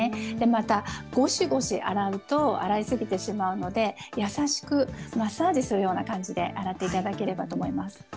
また、ごしごし洗うと、洗い過ぎてしまうので、優しく、マッサージするような感じで洗っていただければと思います。